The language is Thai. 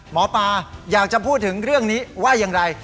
หมอปลาอยากจะพูดถึงเรื่องนี้ว่าอย่างไร